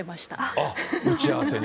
あっ、打ち合わせに？